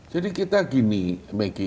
jadi kita gini meggy